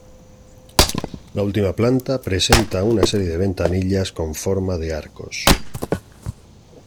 La última planta presenta una serie de ventanillas con forma de arcos.